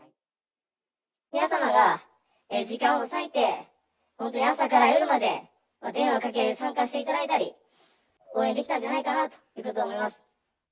皆様が時間を割いて、本当に朝から夜まで、電話かけに参加していただいたり、応援できたんじゃないかなと思います。